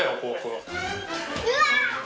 うわ！